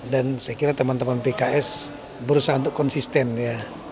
dan saya kira teman teman pks berusaha untuk konsisten ya